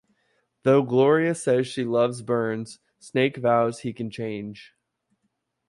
Though Gloria says she loves Burns, Snake vows he can change.